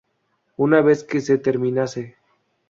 Una vez que se terminase.